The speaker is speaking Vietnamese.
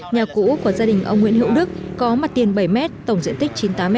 nhà cũ của gia đình ông nguyễn hữu đức có mặt tiền bảy m tổng diện tích chín mươi tám m hai